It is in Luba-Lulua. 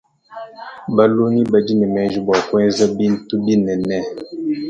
Balongi badi ne menji bua kuenza bintu binene.